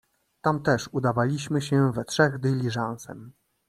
"Tam też udawaliśmy się we trzech dyliżansem."